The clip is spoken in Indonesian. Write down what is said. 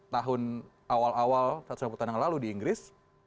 tahun awal awal satu ratus lima puluh tahun yang lalu di inggris